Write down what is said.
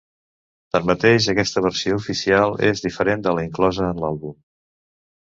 Tanmateix aquesta versió oficial és diferent de la inclosa en l'àlbum.